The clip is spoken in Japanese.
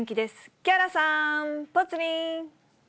木原さん、ぽつリン。